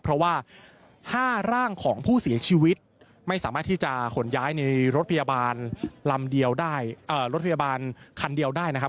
เพราะว่า๕ร่างของผู้เสียชีวิตไม่สามารถที่จะขนย้ายในรถพยาบาลคันเดียวได้นะครับ